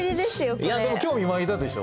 いやでも興味湧いたでしょ？